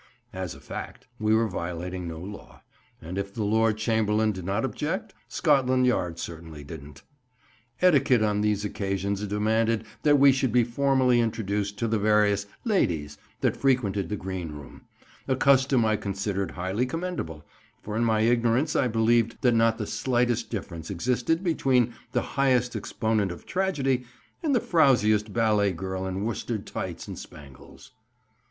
As a fact, we were violating no law; and if the Lord Chamberlain did not object, Scotland Yard certainly didn't. Etiquette on these occasions demanded that we should be formally introduced to the various 'ladies' that frequented the green room—a custom I considered highly commendable, for in my ignorance I believed that not the slightest difference existed between the highest exponent of tragedy and the frowsiest ballet girl in worsted tights and spangles.